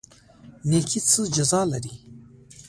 نیکي څه جزا لري؟